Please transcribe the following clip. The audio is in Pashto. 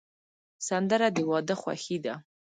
سندره د واده خوښي ده